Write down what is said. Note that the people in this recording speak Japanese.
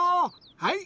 はい。